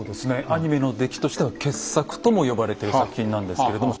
アニメの出来としては傑作とも呼ばれてる作品なんですけれども。